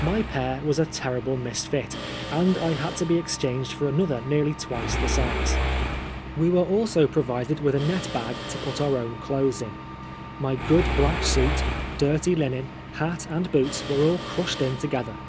My pair was a terrible misfit, and had to be exchanged for another nearly twice the size. 118 PRISONER FOR BLASPHEMY. We were also provided with a net bag to put onr own clothes in. My good black suit, dirty linen, hat and boots, were all crushed in together.